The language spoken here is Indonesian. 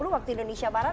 waktu indonesia barat